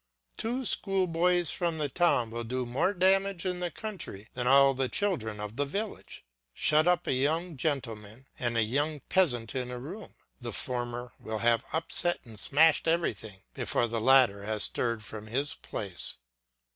Two schoolboys from the town will do more damage in the country than all the children of the village. Shut up a young gentleman and a young peasant in a room; the former will have upset and smashed everything before the latter has stirred from his place.